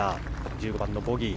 １５番、ボギー。